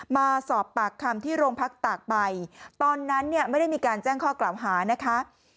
มาสอบปากคำที่โรงพักตากใบตอนนั้นเนี่ยไม่ได้มีการแจ้งข้อกล่าวหานะคะ